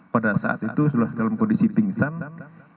pada saat itu sudah dalam kondisi pingsan